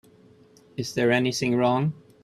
Is there anything wrong?